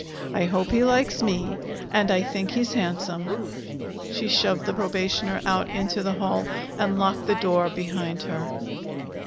I hope he likes me. And I think he's handsome." She shoved the probationer out into the hall and locked the door behind her.